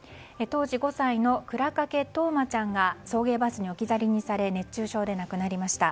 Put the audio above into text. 当時、５歳の倉掛冬生ちゃんが送迎バスに置き去りにされ熱中症で亡くなりました。